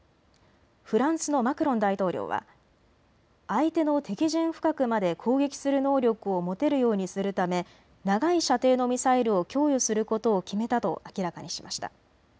フランスのマクロン大統領は相手の敵陣深くまで攻撃する能力を持てるようにするため長い射程のミサイルを供与することを決めたと明らかにしました。